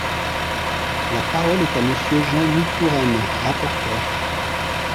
La parole est à Monsieur Jean-Louis Touraine, rapporteur.